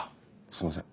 すいません。